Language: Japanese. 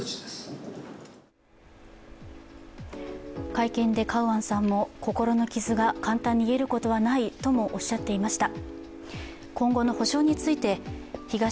会見でカウアンさんも心の傷が簡単に癒えることはないとおっしゃっていました。